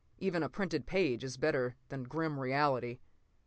Even a printed page is better than grim reality!